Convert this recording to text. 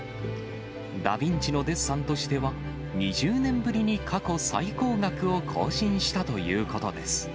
ダ・ヴィンチのデッサンとしては、２０年ぶりに過去最高額を更新したということです。